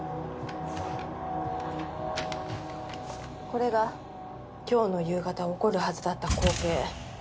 これが今日の夕方起こるはずだった光景。